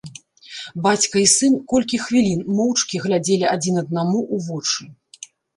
Бацька і сын колькі хвілін моўчкі глядзелі адзін аднаму ў вочы.